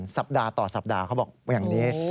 สัปดาห์ต่อสัปดาห์เขาบอกอย่างนี้